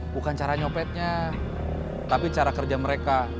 bukan cara nyopetnya tapi cara kerja mereka